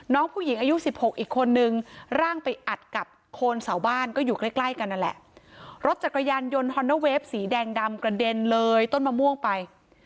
น้องผู้หญิงอายุสิบหกอีกคนนึงร่างไปอัดกับโคนเสาบ้านก็อยู่ใกล้ใกล้กันนั่นแหละรถจักรยานยนต์ฮอนเดอร์เวฟสีแดงดำกระเด็นเลยต้นมะม่วงไป